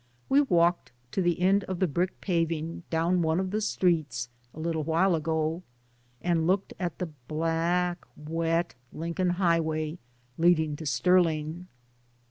We walked to the end of the brick paving down one of the streets a little while ago and looked at the black wet Lincoln Highway leading to Sterling.